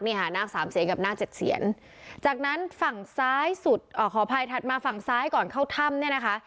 นี่ค่ะนาคสามเสียนกับนาคเจ็ดเสียนจากนั้นฝั่งซ้ายสุดขออภัยถัดมาฝั่งซ้ายก่อนเข้าถ้ำเนี่ยนะคะ